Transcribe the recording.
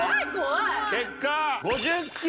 結果５０ｋｇ。